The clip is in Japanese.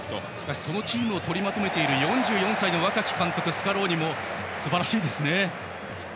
そのチームを取りまとめている、４４歳の若き監督のスカローニもすばらしいですね。